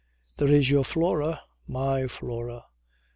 "There is your Flora." "My Flora!